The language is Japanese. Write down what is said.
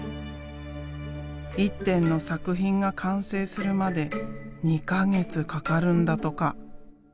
１点の作品が完成するまで２か月かかるんだとか。